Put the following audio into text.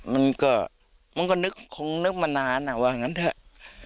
มันก็นึกมานานเหมือนว่านั้นเถอะ